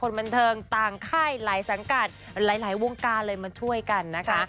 บันเทิงต่างค่ายหลายสังกัดหลายวงการเลยมาช่วยกันนะคะ